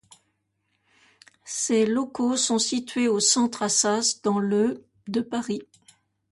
Ses locaux sont situés au centre Assas dans le de Paris.